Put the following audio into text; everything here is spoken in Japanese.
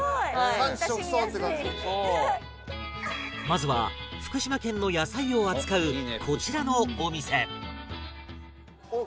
まずは福島県の野菜を扱うこちらのお店